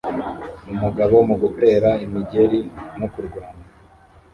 amagambo mu gutera imigeri no kurwana